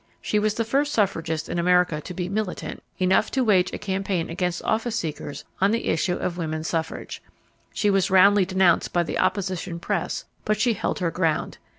She was the first suffragist in America to be "militant" enough to wage a campaign against office seekers on the issue of woman suffrage. She was roundly denounced by the opposition press, but she held her ground.